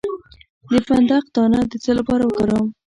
د فندق دانه د څه لپاره وکاروم؟